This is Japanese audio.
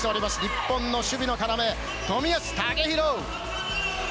日本の守備の要、冨安健洋。